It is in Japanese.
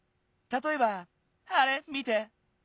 たとえばあれ見て。